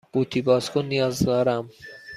قوطی باز کن نیاز دارم.